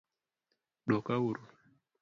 dwoka uru